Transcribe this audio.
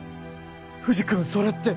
藤君それって。